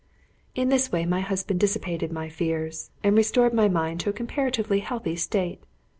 In this way my husband dissipated my fears, and restored my mind to a comparatively healthy state.